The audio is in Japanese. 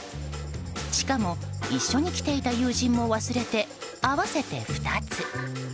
しかも一緒に来ていた友人も忘れて合わせて２つ。